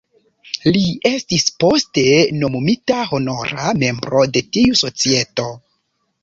Li estis poste nomumita honora membro de tiu Societo.